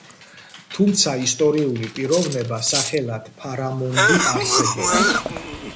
თუმცა ისტორიული პიროვნება სახელად ფარამონდი არსებობს.